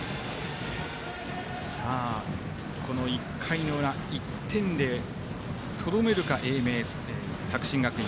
この１回の裏１点でとどめるか、作新学院。